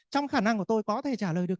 trong khả năng của tôi có thể trả lời được